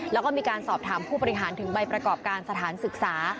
แล้วก็มีการสอบถามผู้บริหารถึงใบประกอบการสถานศึกษา